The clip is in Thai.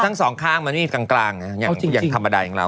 ทั้งสองข้างมันนี่กลางอย่างธรรมดาอย่างเรา